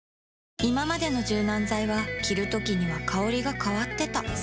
いままでの柔軟剤は着るときには香りが変わってた